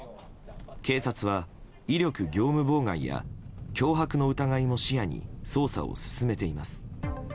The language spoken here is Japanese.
警察は威力業務妨害や脅迫の疑いも視野に捜査を進めています。